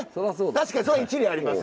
確かにそれは一理あります。